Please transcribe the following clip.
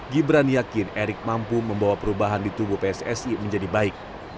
gibran yakin erick mampu membawa perubahan di tubuh pssi menjadi baik